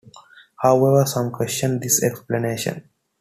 However some question this explanation.